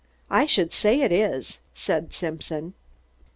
"I should say it is," said Simpson.